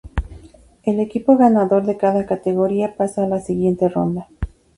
El equipo ganador de cada categoría pasa a la siguiente ronda.